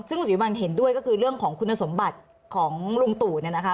ซึ่งคุณศรีวัลเห็นด้วยก็คือเรื่องของคุณสมบัติของลุงตู่เนี่ยนะคะ